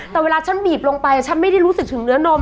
แต่เวลาฉันบีบลงไปฉันไม่ได้รู้สึกถึงเนื้อนม